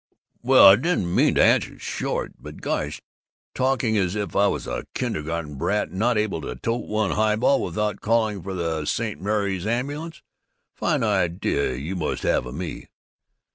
"Well, I didn't mean to answer short, but gosh, talking as if I was a kindergarten brat, not able to tote one highball without calling for the St. Mary's ambulance! A fine idea you must have of me!"